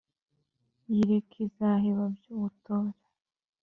yireke izaheba iby'ubutore